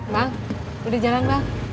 bang udah jalan bang